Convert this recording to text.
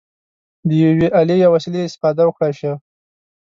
د یوې الې یا وسیلې استفاده وکړای شوه.